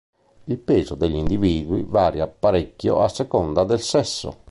Il peso degli individui varia parecchio a seconda del sesso.